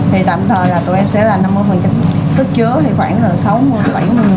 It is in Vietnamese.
thì tạm thời là tụi em sẽ là năm mươi sức chứa khoảng sáu mươi bảy mươi người